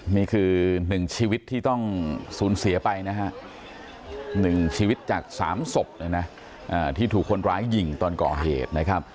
นี่คือหนึ่งชีวิตที่ต้องศูนย์เสียไปนะฮะหนึ่งชีวิตจากสามศพนะที่ถูกคนร้ายยิงตอนก่อเหตุนะครับ